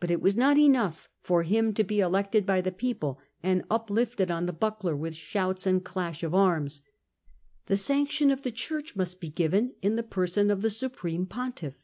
But it was not enough for liim to be elected by the people and uplifted on the bnckler with shouts and clash of arms. The sanction of the Church must be given, in the person of the supreme pontiff.